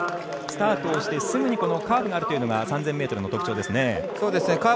スタートをしてすぐにカーブがあるというのが３０００ｍの特徴ですね。